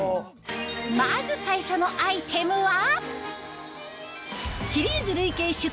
まず最初のアイテムは？